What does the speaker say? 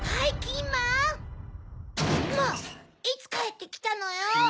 いつかえってきたのよ！